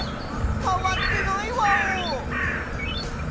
かわってないワオ！